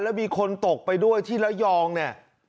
แล้วมีคนตกไปด้วยที่ระยองเนี่ย